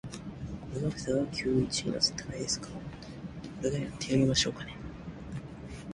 これがフェザー級一位の戦いですか？俺がやってやりましょうかね。